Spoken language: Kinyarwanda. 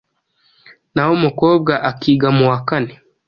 naho umukobwa akiga mu wa kane.